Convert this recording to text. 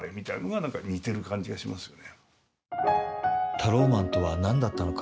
タローマンとは何だったのか？